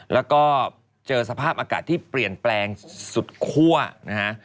แล้วก็เจอสภาพอากาศที่เปลี่ยนแปลงสุดคั่วนะฮะ